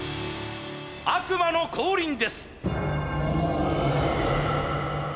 悪魔の降臨です！